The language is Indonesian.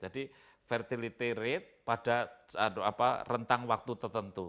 jadi fertility rate pada rentang waktu tertentu